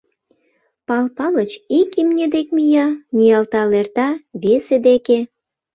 — Пал Палыч ик имне дек мия, ниялтал эрта, весе деке.